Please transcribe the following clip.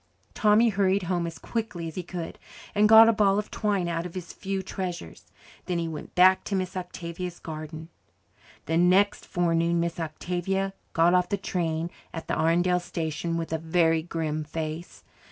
Tommy hurried home as quickly as he could and got a ball of twine out of his few treasures. Then he went back to Miss Octavia's garden. The next forenoon Miss Octavia got off the train at the Arundel station with a very grim face.